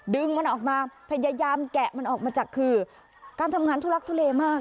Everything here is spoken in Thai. ดึงมันออกมาพยายามแกะมันออกมาจากคือการทำงานทุลักทุเลมาก